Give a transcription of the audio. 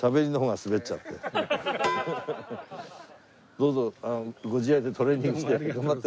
どうぞご自愛でトレーニングして頑張って。